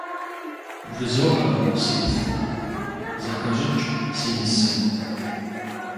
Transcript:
БжызоӀэ, сипхъу, зэхэщӀыкӀ, си нысэ.